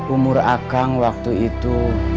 umur akang waktu itu